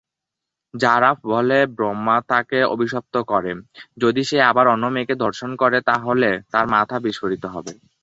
যারা ফলে ব্রহ্মা তাকে অভিশপ্ত করে, যদি সে আবার অন্য মেয়েকে ধর্ষণ করে তাহলে তার মাথা বিস্ফোরিত হবে।